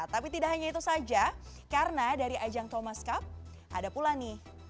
tapi tidak hanya itu saja karena dari ajang thomas cup ada pula nih